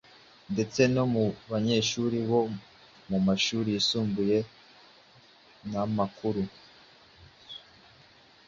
Ndetse no mu banyeshuri bo mu mashuri yisumbuye n’amakuru,